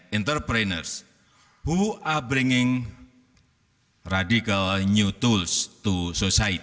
yang membawa alat alat baru yang radikal ke masyarakat